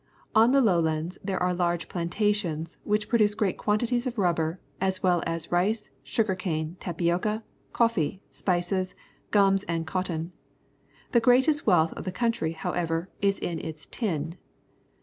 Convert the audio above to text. On the low lands there are large plantations, which produce great quantities of rubber, as well as rice, sugar cane, tapioca, coffee, spices, gums, and cotton. The greatest wealth of the country, however, is in its tin.